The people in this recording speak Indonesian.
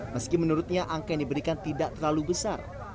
meski menurutnya angka yang diberikan tidak terlalu besar